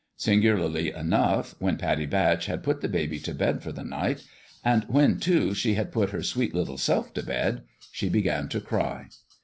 Singularly enough, when Pattie Batch had put the baby to bed for the night, and when, too, she had put her sweet little self to bed, she began to cry.